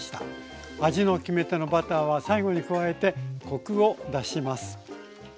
味の決め手のバターは最後に加えてコクを出します。